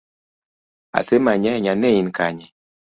Asemanyi ahinya, nein kanye?